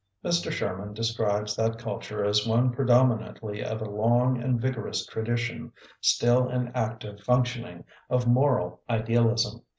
Mr. Sherman describes that culture as one predominantly of a long and vigorous tradition, stiU in active functioning, of moral idealism.